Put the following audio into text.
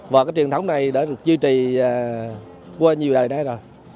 và cái truyền thống này đã được duy trì qua nhiều đời đây rồi